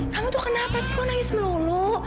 kamu tuh kenapa sih kok nangis melulu